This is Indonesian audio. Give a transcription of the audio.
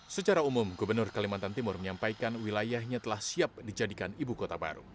secara umum gubernur kalimantan timur menyampaikan wilayahnya telah siap dijadikan ibu kota baru